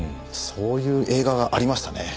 そういう映画がありましたね。